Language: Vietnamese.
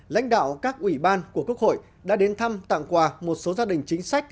lãnh đạo các ủy ban của quốc hội đã đến thăm tặng quà một số gia đình chính sách